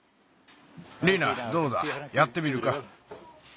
リナどうだやってみるか？